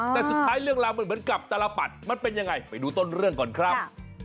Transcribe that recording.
แต่สุดท้ายเรื่องราวมันเหมือนกับตลปัดมันเป็นยังไงไปดูต้นเรื่องก่อนครับ